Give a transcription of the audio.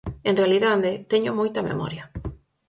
En realidade, teño moita memoria.